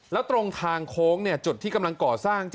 แล้วตรงทางโค้งจุดที่กำลังก่อสร้าง